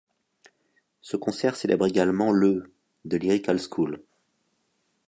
Ce concert célèbre également le de Lyrical School.